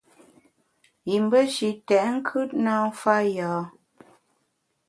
Yim be shi tèt nkùt na mfa yâ.